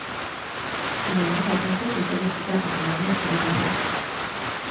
Finalement, la tempête est allée se perdre dans la mer du Labrador.